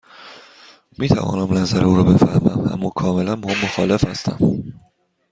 می توانم نظر او را بفهمم، اما کاملا با آن مخالف هستم.